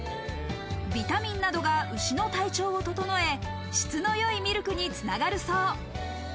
ビタミンなどが牛の体調を整え、質の良いミルクに繋がるそう。